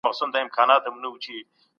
په خپلو کارونو کي اخلاص ولرئ.